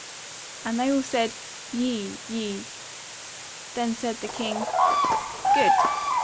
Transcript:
And they all said "Yea, yea." Then said the king; "Good!